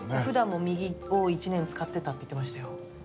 ふだんも右を１年使ってたって言ってましたよ。